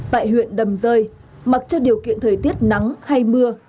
tại huyện đầm rơi mặc cho điều kiện thời tiết nắng hay mưa